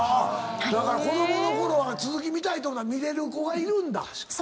子供のころは続き見たいと思ったら見れる子がいるんだ。